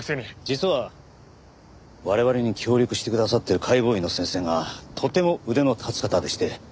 実は我々に協力してくださっている解剖医の先生がとても腕の立つ方でして。